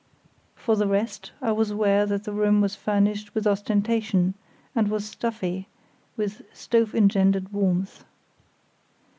For the rest, I was aware that the room was furnished with ostentation, and was stuffy with stove engendered warmth.